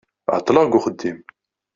Ɛeṭṭleɣ g uxeddim.